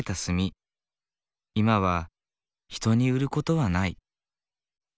今は人に売ることはない。